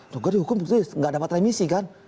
lalu dihukum tidak dapat remisi kan